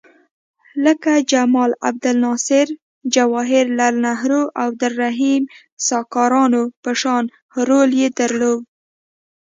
لکه جمال عبدالناصر، جواهر لعل نهرو او عبدالرحیم سکارنو په شان رول یې درلود.